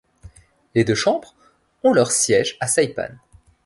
Les deux chambres ont leurs sièges à Saipan.